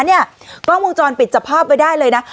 เนี่ยกล้องวงจรปิดจับภาพไว้ได้เลยนะ